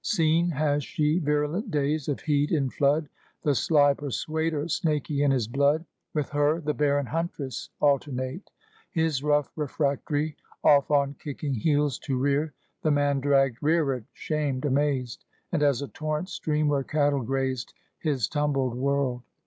Seen has she virulent days of heat in flood; The sly Persuader snaky in his blood; With her the barren Huntress alternate; His rough refractory off on kicking heels To rear; the man dragged rearward, shamed, amazed; And as a torrent stream where cattle grazed, His tumbled world.